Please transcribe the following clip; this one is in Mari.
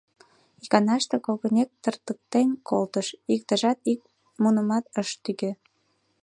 Иканаште когынек тыртыктен колтыш, иктыжат ик мунымат ыш тӱкӧ.